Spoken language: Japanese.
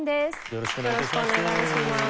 よろしくお願いします。